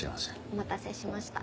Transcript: お待たせしました。